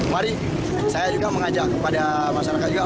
mari saya juga mengajak kepada masyarakat juga